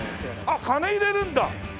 あっ金入れるんだ！